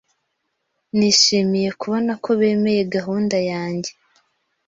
Nishimiye kubona ko bemeye gahunda yanjye.